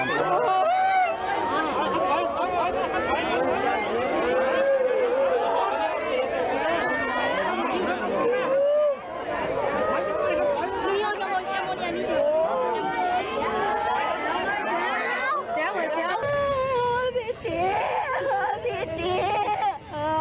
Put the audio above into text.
พี่ติ๊ะพี่ติ๊ะพี่ติ๊ะ